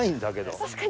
確かに。